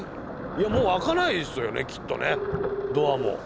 いやもう開かないですよねきっとねドアも。